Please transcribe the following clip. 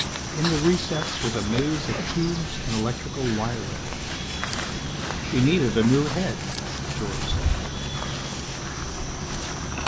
In the recess was a maze of tubes and electrical wiring. "She needed a new head," George said.